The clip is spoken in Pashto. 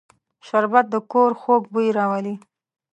شربت د کور خوږ بوی راولي